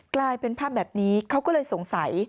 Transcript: กลายเป็นภาพแบบนี้เขาก็เลยสงสัย